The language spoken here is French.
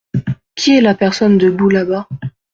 Qui est la personne debout là-bas ?